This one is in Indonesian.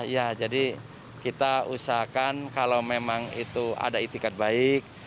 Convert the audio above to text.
ya jadi kita usahakan kalau memang itu ada itikat baik